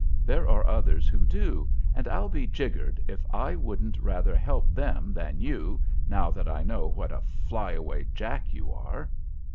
There are others who do, and I'll be jiggered if I wouldn't rather help them than you, now that I know what a fly away Jack you are."